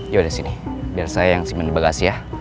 yaudah sini biar saya yang simpan di bagasi ya